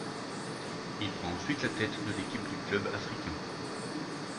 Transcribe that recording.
Il prend ensuite la tête de l'équipe du Club africain.